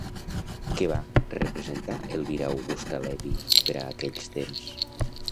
Què va representar Elvira-Augusta Lewi per a aquells temps?